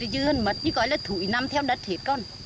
chứ hơn mất như có lợi thủy năm theo đất hết con